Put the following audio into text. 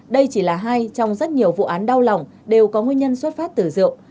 đây chỉ là hai trong rất nhiều vụ án đau lòng đều có nguyên nhân xuất phát từ rượu